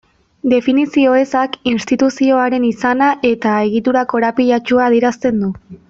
Definizio ezak instituzioaren izana eta egitura korapilatsua adierazten du.